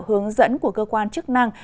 hướng dẫn của cơ quan chức năng